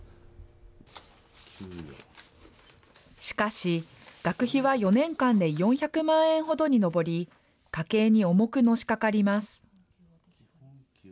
しかし、学費は４年間で４００万円ほどに上り、家計に重くのしかかります。